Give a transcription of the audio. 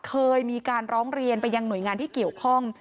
เคยมีการร้องเรียนไปยังหน่วยงานที่เกี่ยวข้อง